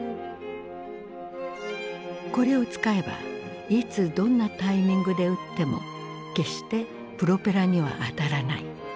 これを使えばいつどんなタイミングで撃っても決してプロペラには当たらない。